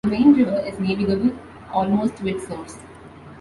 The main river is navigable almost to its source.